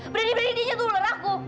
berani beraninya nyentuh ular aku